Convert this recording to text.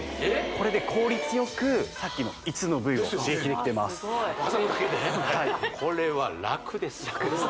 これで効率よくさっきの５つの部位を刺激できてます挟むだけで？